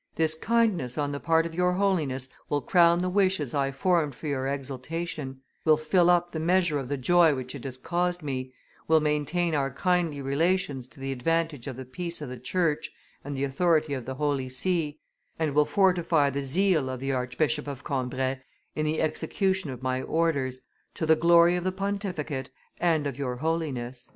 This kindness on the part of Your Holiness will crown the wishes I formed for your exaltation, will fill up the measure of the joy which it has caused me, will maintain our kindly relations to the advantage of the peace of the Church and the authority of the Holy See, and will fortify the zeal of the Archbishop of Cambrai in the execution of my orders to the glory of the Pontificate and of Your Holiness."